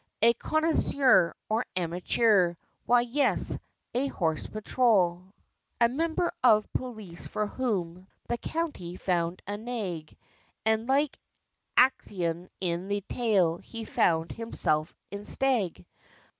A connoisseur, or amateur? Why yes, a Horse Patrol. A member of police, for whom The county found a nag, And, like Acteon in the tale, He found himself in stag!